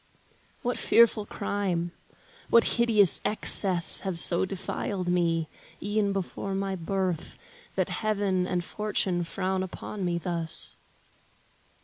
What fearful crime, what hideous excess Have so defiled me, e'en before my birth, That heaven and fortune frown upon me thus?